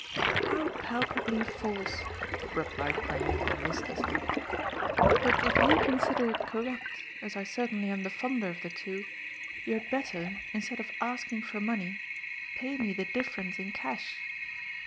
How palpably false I " replied Cornelia listlessly. " But if you consider it correct, as I certainly am the fonder of the two, you had better, instead of asking for money, pay me the difference in cash."